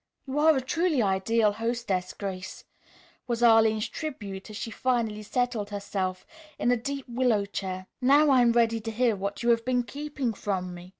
"You are a truly ideal hostess, Grace," was Arline's tribute as she finally settled herself in a deep willow chair. "Now I am ready to hear what you have been keeping from me."